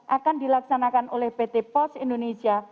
akan dilaksanakan oleh pt pos indonesia